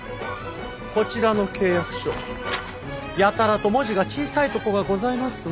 こちらの契約書やたらと文字が小さいとこがございますので。